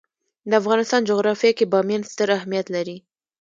د افغانستان جغرافیه کې بامیان ستر اهمیت لري.